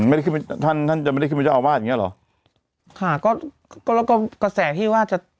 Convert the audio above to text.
ไม่ได้ขึ้นไปท่านท่านจะไม่ได้ขึ้นเป็นเจ้าอาวาสอย่างเงี้หรอค่ะก็ก็แล้วก็กระแสที่ว่าจะ